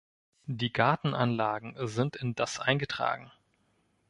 Die Gartenanlagen sind in das eingetragen.